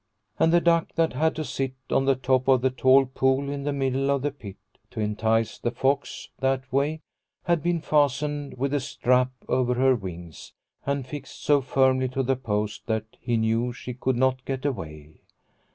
And the duck that had to sit on the top of the tall pole in the middle of the pit to entice the fox that way had been fastened with a strap over her wings, and fixed so firmly to the post that he knew she could not get away.